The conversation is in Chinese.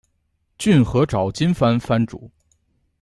骏河沼津藩藩主。